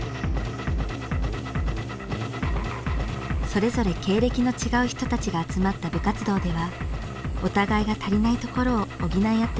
それぞれ経歴の違う人たちが集まった部活動ではお互いが足りないところを補い合ってきました。